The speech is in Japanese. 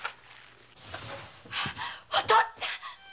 あッお父っつぁん。